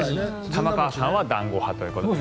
玉川さんは団子派ということで。